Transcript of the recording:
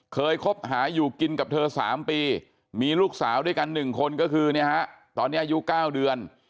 คบหาอยู่กินกับเธอ๓ปีมีลูกสาวด้วยกัน๑คนก็คือตอนนี้อายุ๙เดือน